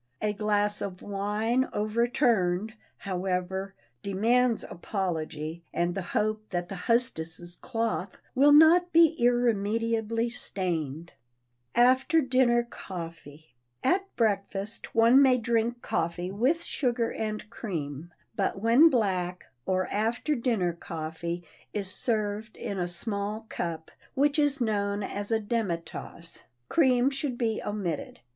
A glass of wine overturned, however, demands apology and the hope that the hostess' cloth will not be irremediably stained. [Sidenote: AFTER DINNER COFFEE] At breakfast, one may drink coffee with sugar and cream, but when black, or after dinner coffee is served in a small cup, which is known as a demi tasse, cream should be omitted.